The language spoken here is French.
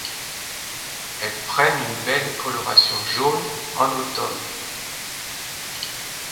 Elles prennent une belle coloration jaune en automne.